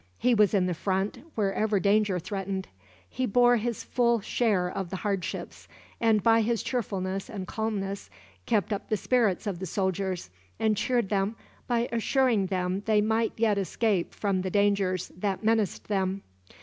He was in the front, wherever danger threatened. He bore his full share of the hardships, and by his cheerfulness and calmness kept up the spirits of the soldiers, and cheered them by assuring them they might yet escape from the dangers that menaced them.